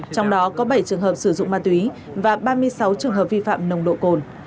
trong đó có bảy trường hợp sử dụng ma túy và ba mươi sáu trường hợp vi phạm nồng độ cồn